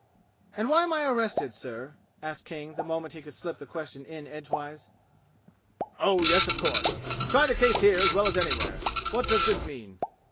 "And why am I arrested, sir?" asked King the moment he could slip the question in edgewise. "Oh, yes, of course. Try the case here as well as anywhere. What does this mean?"